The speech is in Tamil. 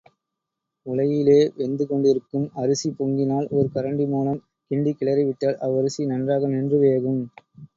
உலையிலே வெந்து கொண்டிருக்கும் அரிசி பொங்கினால், ஒரு கரண்டி மூலம் கிண்டிக் கிளறிவிட்டால் அவ்வரிசி நன்றாக நின்று வேகும்.